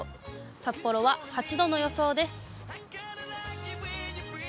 札幌は８度の予想です。